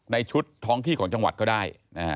ในชุดท้องที่ของจังหวัดก็ได้